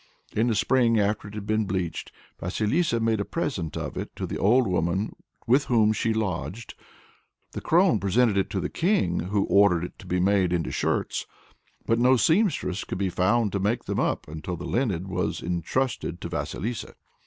In the spring, after it had been bleached, Vasilissa made a present of it to the old woman with whom she lodged. The crone presented it to the king, who ordered it to be made into shirts. But no seamstress could be found to make them up, until the linen was entrusted to Vasilissa.